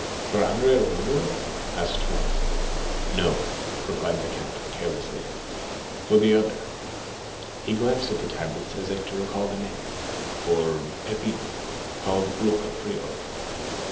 "For Andrea Rondolo?" asked Franz. "No," replied the count, carelessly; "for the other (he glanced at the tablets as if to recall the name), for Peppino, called Rocca Priori.